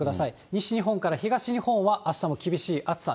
西日本から東日本は、あしたも厳しい暑さ。